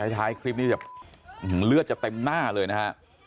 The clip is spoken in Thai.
ท้ายคลิปนี้จะเลือดจะเต็มหน้าเลยนะฮะ